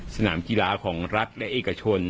สนามกีฬาของรัฐและเอกชน